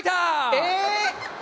えっ！